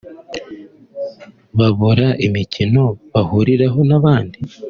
babura imikino bahuriraho n’abandi